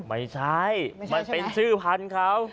ไม่ใช่มันเป็นชื่อพันธุ์เขา